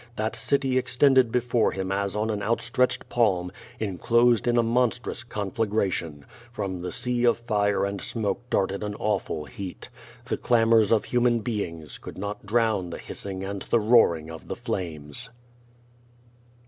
That city extended before him as on an out stretched palm, enclosed in a monstrous conflagration. From the sea of fire and smoke darted an awful heat. The clamors of human beings could not drown the hissing and the roar ing of the flames.